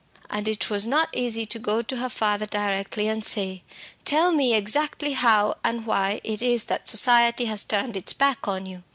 And it was not easy to go to her father directly and say, "Tell me exactly how and why it is that society has turned its back upon you."